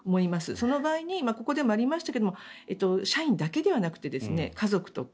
その場合にここでもありましたが社員だけではなくて家族とか、